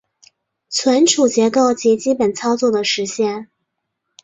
存储结构及基本操作的实现